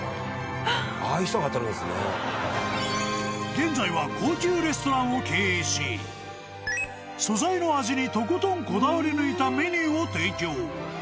［現在は高級レストランを経営し素材の味にとことんこだわり抜いたメニューを提供］